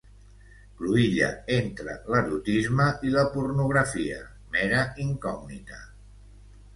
Cruïlla entre l'erotisme i la pornografia, mera incògnita.